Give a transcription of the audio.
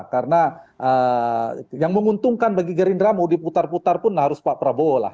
karena yang menguntungkan bagi gerindra mau diputar putar pun harus pak torabowo lah